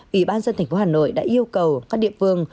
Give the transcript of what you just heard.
ủy ban dân tp hà nội đã yêu cầu các địa phương